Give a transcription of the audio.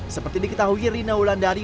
seperti diketahui rina ulandari